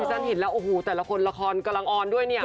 ดิฉันเห็นแล้วแต่ละคนละครกำลังออนด้วย